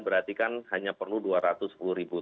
berarti kan hanya perlu dua ratus sepuluh ribu ton